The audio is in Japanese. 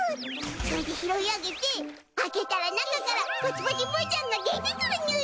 それで拾い上げて開けたら中からパチパチブーちゃんが出てくるにゅい！